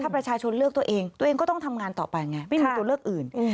ประชาชนเลือกตัวเองตัวเองก็ต้องทำงานต่อไปไงไม่มีตัวเลือกอื่น